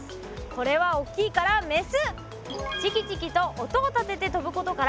これはおっきいからメス！